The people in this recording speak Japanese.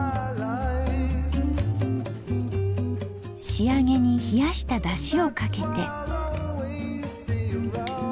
仕上げに冷やしただしをかけて。